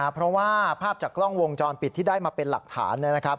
เพราะว่าภาพจากกล้องวงจรปิดที่ได้มาเป็นหลักฐานนะครับ